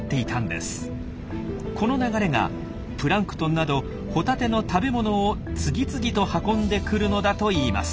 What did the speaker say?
この流れがプランクトンなどホタテの食べ物を次々と運んでくるのだといいます。